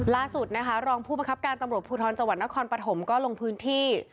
ล่าสุดนะคะรองผู้บังคับการตำรวจภูทรจังหวัดนครปฐมก็ลงพื้นที่